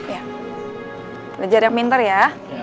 ya belajar yang pinter ya